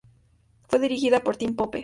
Fue dirigida por Tim Pope.